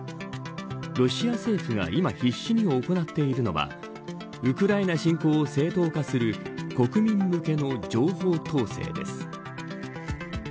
ロシア政府が今必死に行っているのはウクライナ侵攻を正当化する国民向けの情報統制です。